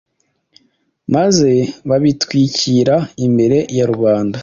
maze babitwikira imbere ya rubanda.